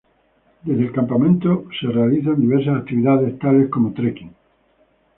Desde el campamento de realizan diversas actividades, tales como trekking.